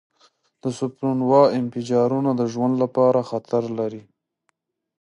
د سوپرنووا انفجارونه د ژوند لپاره خطر لري.